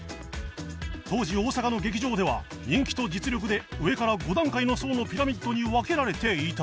当時大阪の劇場では人気と実力で上から５段階の層のピラミッドに分けられていた